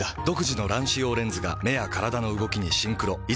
独自の乱視用レンズが目や体の動きにシンクロ。